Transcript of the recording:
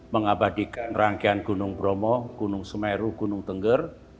mengabadikan rangkaian gunung bromo gunung semeru gunung tengger